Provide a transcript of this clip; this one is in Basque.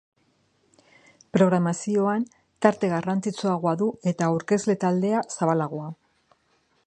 Programazioan tarte garrantzitsuagoa du eta aurkezle taldea zabalagoa.